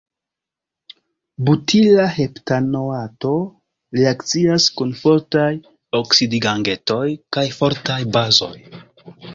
Butila heptanoato reakcias kun fortaj oksidigagentoj kaj fortaj bazoj.